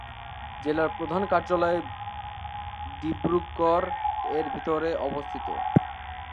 জেলার প্রধান কার্যালয় ডিব্রুগড়, এর থেকে ভিতরে অবস্থিত।